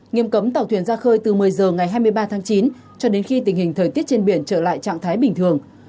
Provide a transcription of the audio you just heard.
nghiêm cấm tàu thuyền ra khơi từ một mươi h ngày hai mươi ba tháng chín cho đến khi tình hình thời tiết trên biển trở lại trạng thái bình thường